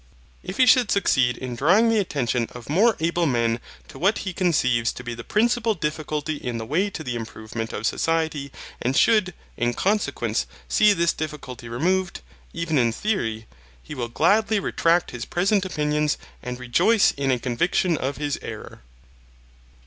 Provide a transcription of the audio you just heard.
If he should succeed in drawing the attention of more able men to what he conceives to be the principal difficulty in the way to the improvement of society and should, in consequence, see this difficulty removed, even in theory, he will gladly retract his present opinions and rejoice in a conviction of his error.